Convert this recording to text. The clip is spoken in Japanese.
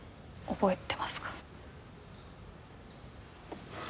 覚えてます。